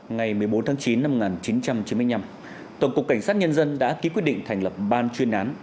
ngày một mươi bốn tháng chín năm một nghìn chín trăm chín mươi năm tổng cục cảnh sát nhân dân đã ký quyết định thành lập ban chuyên án